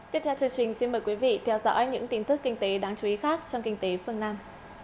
tiếp theo chương trình xin mời quý vị theo dõi những tin tức kinh tế đáng chú ý khác trong kinh tế phương nam